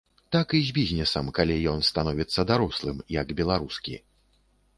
Так і з бізнесам, калі ён становіцца дарослым, як беларускі.